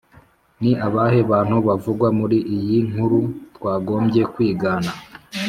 Ni abahe bantu bavugwa muri iyi nkuru twagombye kwigana